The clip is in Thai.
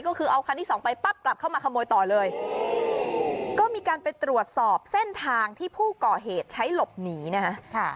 ก็คือเอาคันที่สองไปปั๊บกลับเข้ามาขโมยต่อเลยก็มีการไปตรวจสอบเส้นทางที่ผู้ก่อเหตุใช้หลบหนีนะฮะ